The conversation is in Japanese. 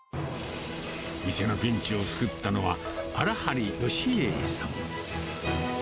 店のピンチを救ったのは、荒張よしえいさん。